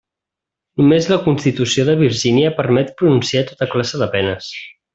Només la Constitució de Virgínia permet pronunciar tota classe de penes.